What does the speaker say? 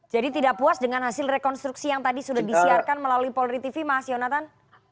jadi tidak puas dengan hasil rekonstruksi yang tadi sudah disiarkan melalui polri tv mas yonatan